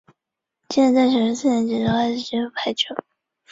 扎米亚京与西方出版商的交易引起苏联政府大规模挞伐他。